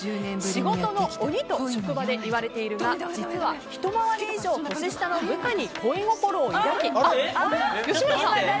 仕事の鬼と職場で言われているが実はひと回り以上年下の部下にあ！